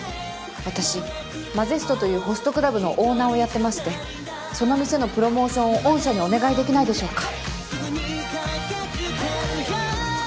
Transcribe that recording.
私ＭＡＪＥＳＴというホストクラブのオーナーをやってましてその店のプロモーションを御社にお願いできないでしょうか？